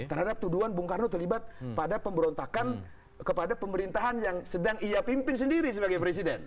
terhadap tuduhan bung karno terlibat pada pemberontakan kepada pemerintahan yang sedang ia pimpin sendiri sebagai presiden